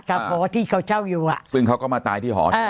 กับหอที่เขาเช่าอยู่อ่ะซึ่งเขาก็มาตายที่หอ